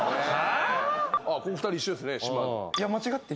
ここ２人一緒ですね。